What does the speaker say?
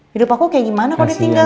hidup aku kayak gimana kalau ditinggal